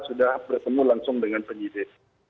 sudah bertemu langsung dengan penyidik